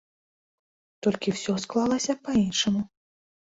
Толькі ўсё склалася па-іншаму.